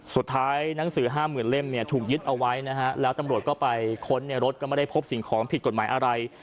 หนังสือห้าหมื่นเล่มเนี่ยถูกยึดเอาไว้นะฮะแล้วตำรวจก็ไปค้นในรถก็ไม่ได้พบสิ่งของผิดกฎหมายอะไร